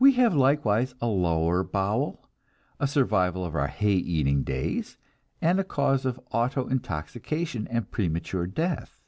We have likewise a lower bowel, a survival of our hay eating days, and a cause of autointoxication and premature death.